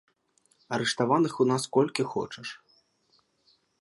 Арыштаваных у нас колькі хочаш!